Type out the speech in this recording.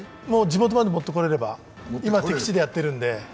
地元まで持ってこれれば、今敵地でやってるんで。